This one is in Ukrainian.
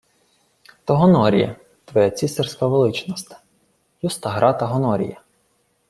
— То Гонорія, твоя цісарська величносте. Юста-Грата Гонорія.